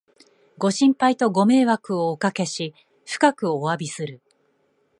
ご心配とご迷惑をおかけし、深くおわびする